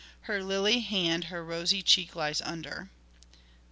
Her lily hand her rosy cheek lies under."